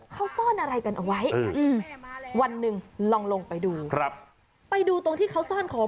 เขาซ่อนอะไรกันเอาไว้อืมวันหนึ่งลองลงไปดูครับไปดูตรงที่เขาซ่อนของ